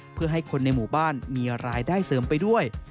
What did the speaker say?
เพื่อให้คนในหมู่บ้านมีรายได้เสริมไปด้วย